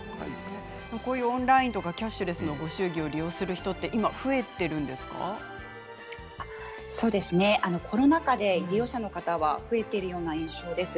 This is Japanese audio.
こういうオンラインやキャッシュレスのご祝儀をコロナ禍で利用者の方が増えているような印象です。